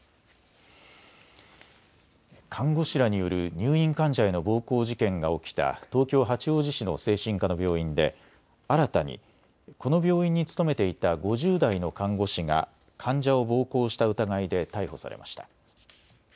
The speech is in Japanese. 看護師らによる入院患者への暴行事件が起きた東京八王子市の精神科の病院で新たにこの病院に勤めていた５０代の看護師が患者を暴行した疑いで逮捕されました。